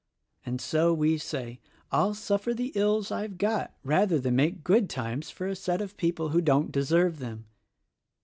And so we say, 'I'll suffer the ills I've got, rather than make good times for a set of people who don't deserve them.'